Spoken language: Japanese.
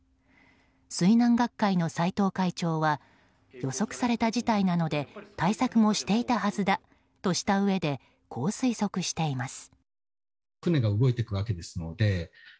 水難学会の斎藤会長は予測された事態なので対策もしていたはずだとしたうえでこう推測しています。